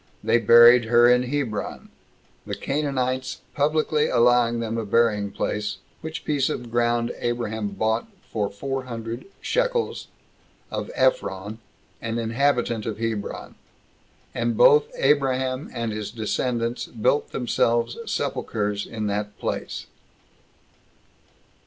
They buried her in Hebron; the Canaanites publicly allowing them a burying place; which piece of ground Abraham bought for four hundred shekels, of Ephron, an inhabitant of Hebron. And both Abraham and his descendants built themselves sepulchers in that place.